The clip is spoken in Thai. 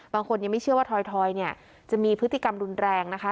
บางคนยังไม่เชื่อว่าถอยจะมีพฤติกรรมรุนแรงนะคะ